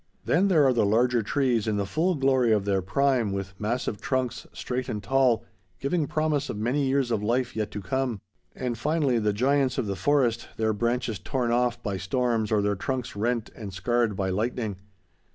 Then there are the larger trees in the full glory of their prime, with massive trunks, straight and tall, giving promise of many years of life yet to come; and finally, the giants of the forest, their branches torn off by storms or their trunks rent and scarred by lightning.